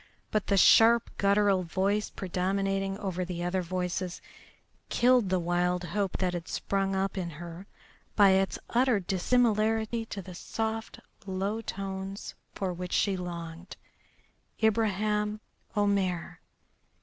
But the sharp, guttural voice predominating over the other voices killed the wild hope that had sprung up in her by its utter dissimilarity to the soft low tones for which she longed. Ibraheim Omair!